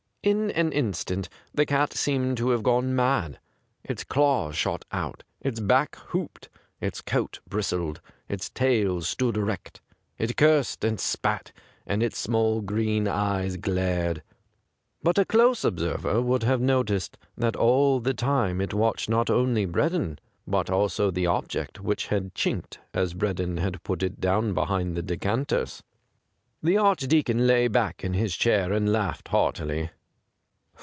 In an instant the cat seemed to have gone mad. Its claws shot out, its back hooped, its coat bristled, its tail stood erect ; it cursed and spat, and its small green eyes glared. But a close observer 174 THE GRAY CAT would have noticed that all the time it watched not only Breddon, but also that object which had chinked as Breddon had put it down behind the decanters. The Archdeacon lay back in his chair and laughed heartily.